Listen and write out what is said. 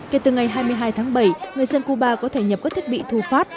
kể từ ngày hai mươi hai tháng bảy người dân cuba có thể nhập các thiết bị thu phát